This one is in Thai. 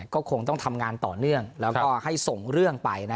ก็คงต้องทำงานต่อเนื่องแล้วก็ให้ส่งเรื่องไป